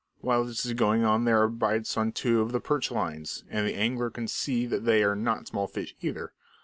While this is going on there are bites on two of the perch lines, and the angler can see they are not small fish either.